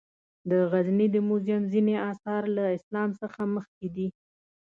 د غزني د موزیم ځینې آثار له اسلام څخه مخکې دي.